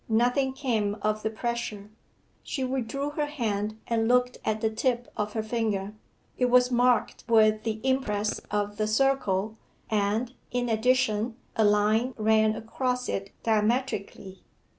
Nothing came of the pressure. She withdrew her hand and looked at the tip of her finger: it was marked with the impress of the circle, and, in addition, a line ran across it diametrically.